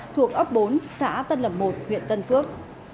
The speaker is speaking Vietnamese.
thuộc ấp bốn xã tân lầm một huyện tân phước